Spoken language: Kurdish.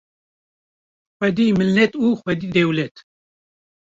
Xwedî millet û xwedî dewlet